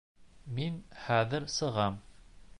Мин хәҙер сығам.